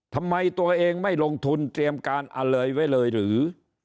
ทำไมตัวเองไม่ลงทุนเตรียมการอะไรไว้เลยหรือ